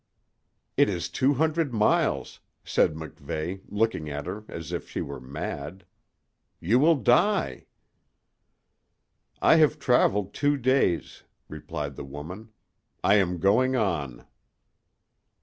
"It is two hundred miles," said MacVeigh, looking at her as if she were mad. "You will die." "I have traveled two days," replied the woman. "I am going on."